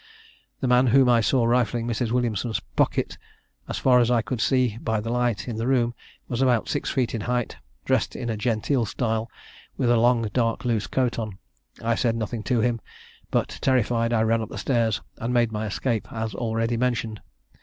The man whom I saw rifling Mrs. Williamson's pocket, as far as I could see by the light in the room, was about six feet in height, dressed in a genteel style, with a long dark loose coat on. I said nothing to him; but, terrified, I ran up stairs, and made my escape as already mentioned.